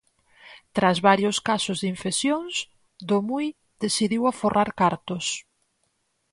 Tras varios casos de infeccións, Domui decidiu aforrar cartos.